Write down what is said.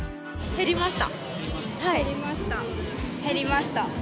減りました。